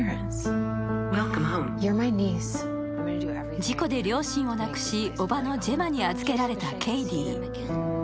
事故で両親をなくし叔母のジェマに預けられたケイディ。